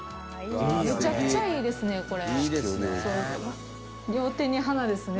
めちゃくちゃいいですねこれ。